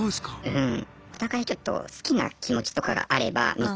うん。